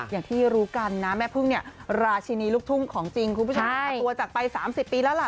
อย่างที่รู้กันนะแม่พึ่งเนี่ยราชินีลูกทุ่งของจริงคุณผู้ชมค่ะตัวจากไป๓๐ปีแล้วล่ะ